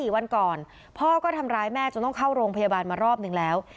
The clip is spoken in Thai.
๔วันก่อนพ่อก็ทำร้ายแม่จนต้องเข้าโรงพยาบาลมารอบนึงแล้ว